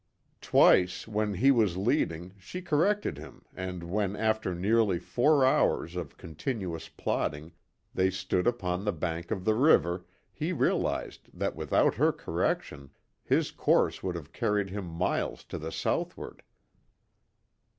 Twice, when he was leading she corrected him and when after nearly four hours of continuous plodding, they stood upon the bank of the river, he realized that without her correction, his course would have carried him miles to the southward.